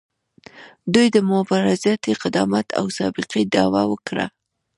دوی د مبارزاتي قدامت او سابقې دعوه وکړي.